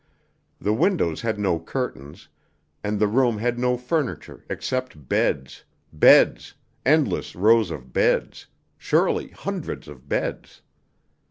The windows had no curtains, and the room had no furniture except beds beds endless rows of beds, surely hundreds of beds.